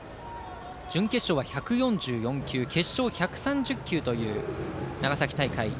準決勝は１４４球決勝１３０球という長崎大会。